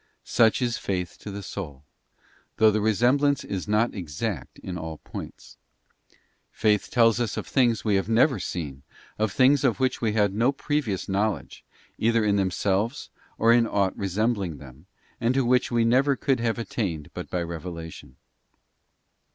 Such is faith to the soul, though the resemblance is not exact in all points; faith tells us of things we have never seen, of things of which we had no previous knowledge, either in themselves or in aught resembling them, and to which we never could have attained but by revelation.